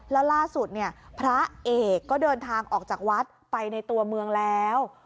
แล้วล่าสุดเนี่ยพระเอกก็เดินทางออกจากวัดไปในตัวเมืองแล้ว